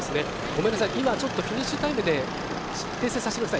今、ちょっとフィニッシュタイムで訂正させてください。